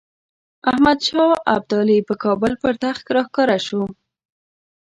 احمدشاه ابدالي په کابل پر تخت راښکاره شو.